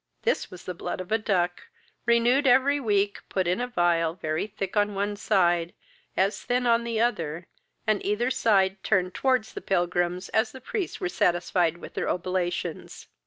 This was the blood of a duck, renewed every week, put in a phial, very thick on one side, as thin on the other; and either side turned towards the pilgrims as the priests were satisfied with their oblations.